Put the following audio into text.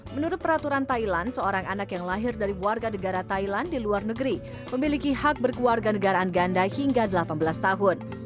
menurut peraturan thailand seorang anak yang lahir dari warga negara thailand di luar negeri memiliki hak berkewarga negaraan ganda hingga delapan belas tahun